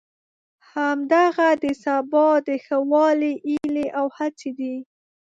همدغه د سبا د ښه والي هیلې او هڅې دي.